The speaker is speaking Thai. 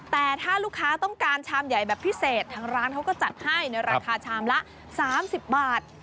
แต่ถ้าลูกค้าต้องการชามใหญ่แบบพิเศษทางร้านเขาก็จัดให้ในราคาชามละ๓๐บาท